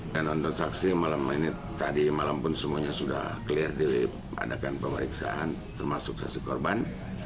dan nonton saksi malam ini tadi malam pun semuanya sudah clear di adakan pemeriksaan termasuk saksi korban